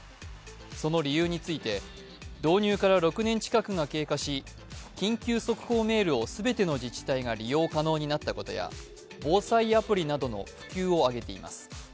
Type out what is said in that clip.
その理由について導入から６年近くが経過し緊急速報メールを全ての自治体が利用可能になったことや防災アプリなどの普及を挙げています。